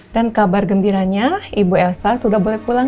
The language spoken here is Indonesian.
dan kabar gembiranya ibu elsa sudah boleh pulang